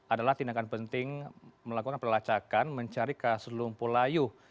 adalah tindakan penting melakukan pelacakan mencari kas lumpuh layu